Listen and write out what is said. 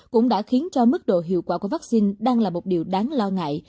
cũng đã khiến cho mức độ hiệu quả của vaccine đang là một điều đáng lo ngại